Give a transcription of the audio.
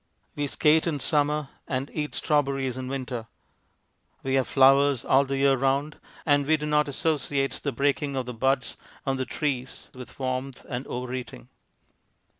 We skate in summer and eat strawberries in winter. We have flowers all the year round, and we do not associate the break ing of the buds on the trees with warmth and over eating.